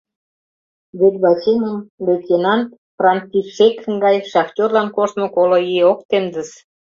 Вет вачемым лейтенант Франтишекын гай шахтёрлан коштмо коло ий ок темдыс.